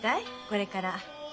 これから。